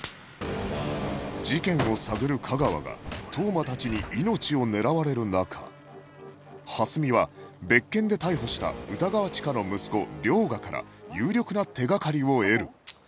事件を探る架川が当麻たちに命を狙われる中蓮見は別件で逮捕した歌川チカの息子涼牙から有力な手掛かりを得る